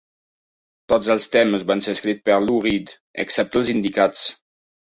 Tots els temes van ser escrits per Lou Reed excepte els indicats.